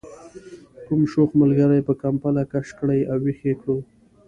کوم شوخ ملګري به کمپله کش کړې او ویښ یې کړو.